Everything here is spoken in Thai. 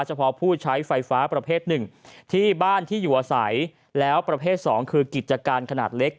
เฉพาะผู้ใช้ไฟฟ้าประเภทหนึ่งที่บ้านที่อยู่อาศัยแล้วประเภท๒คือกิจการขนาดเล็ก